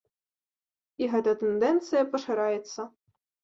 І гэта тэндэнцыя пашыраецца.